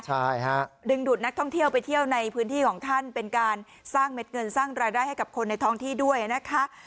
ใช่ฮะดึงดูดนักท่องเที่ยวไปเที่ยวในพื้นที่ของท่านเป็นการสร้างเม็ดเงินสร้างรายได้ให้กับคนในท้องที่ด้วยนะคะ